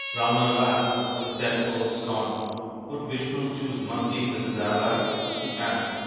Ravana laughed with tenfold scorn. " Would Vishnu choose Monkeys as his allies ?" he asked.